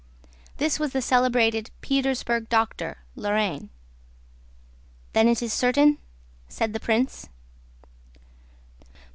This was the celebrated Petersburg doctor, Lorrain. "Then it is certain?" said the prince.